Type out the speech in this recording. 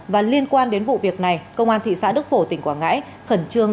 và liên quan đến vụ việc này công an thị xã đức phổ tỉnh quảng ngãi